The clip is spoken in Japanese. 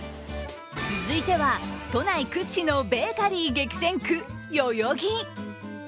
続いては都内屈指のベーカリー激戦区、代々木。